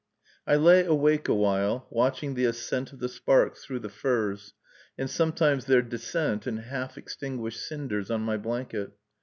I lay awake awhile, watching the ascent of the sparks through the firs, and sometimes their descent in half extinguished cinders on my blanket.